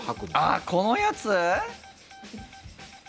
ああ、このやつ？